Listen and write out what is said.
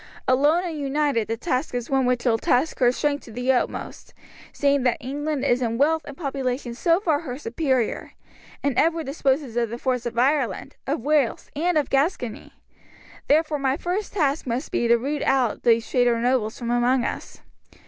Alone and united the task is one which will tax her strength to the utmost, seeing that England is in wealth and population so far her superior, and Edward disposes of the force of Ireland, of Wales, and of Gascony; therefore my first task must be to root out these traitor nobles from among us.